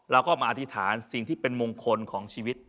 เราก็มาอธิษฐานสิ่งที่เป็นมงคลของชีวิต